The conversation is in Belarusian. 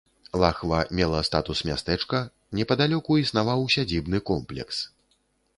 Лахва мела статус мястэчка, непадалёку існаваў сядзібны комплекс.